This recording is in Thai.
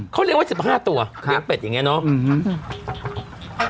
เขาเลี้ยงไว้๑๕ตัวเลี้ยงเป็ดอย่างนี้เนาะ